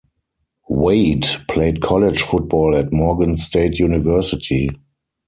Wade played college football at Morgan State University.